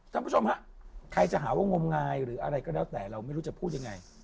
ท่านผู้ชมฮะใครจะหาว่างมงายหรืออะไรก็แล้วแต่เราไม่รู้จะพูดยังไง